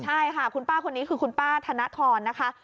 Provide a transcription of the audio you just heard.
ใช่ค่ะคุณป้าคนนี้คือคุณป้าธนทรนะคะ